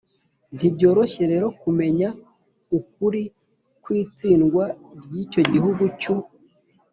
ntibyoroshye rero kumenya ukuri kw'itsindwa ry'icyo gihugu cy'u